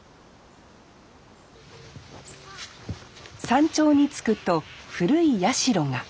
山頂に着くと古い社が。